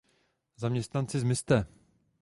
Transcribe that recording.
Zaměstnanci zmizte!